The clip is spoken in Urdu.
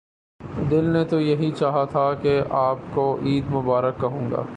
دل نے تو یہ چاہا تھا کہ آپ کو عید مبارک کہوں گا۔